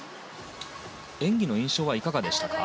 演技の印象はいかがでしたか。